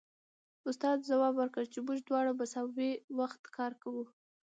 استاد ځواب ورکړ چې موږ دواړه مساوي وخت کار کوو